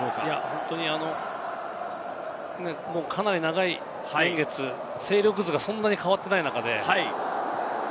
本当にかなり長い年月、勢力図がそんなに変わっていない中で。